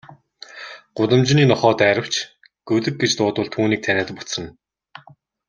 Гудамжны нохой дайравч, гөлөг гэж дуудвал түүнийг таниад буцна.